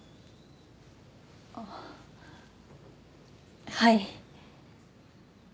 あっはい。